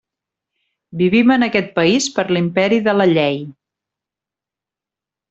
Vivim en aquest país per l'imperi de la llei.